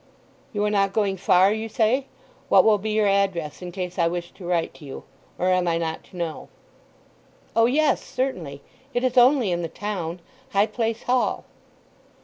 "You are not going far, you say. What will be your address, in case I wish to write to you? Or am I not to know?" "Oh yes—certainly. It is only in the town—High Place Hall!"